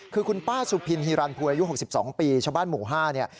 คือคุณป้าสุพินฮิรัณภวยอายุหกสิบสองปีชาวบ้านหมู่ห้าเนี้ย